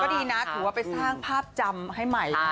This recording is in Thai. ดีนะถือว่าไปสร้างภาพจำให้ใหม่